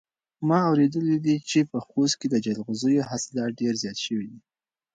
ما اورېدلي دي چې په خوست کې د جلغوزیو حاصلات ډېر زیات شوي دي.